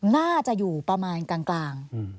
น่าจะอยู่ประมาณกลาง